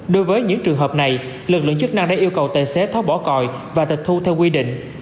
đối với những trường hợp này lực lượng chức năng đã yêu cầu tài xế thoát bỏ còi và tịch thu theo quy định